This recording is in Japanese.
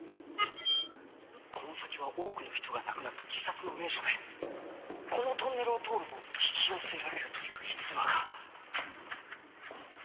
この先は多くの人が亡くなった自殺の名所でこのトンネルを通ると引き寄せられるという逸話が。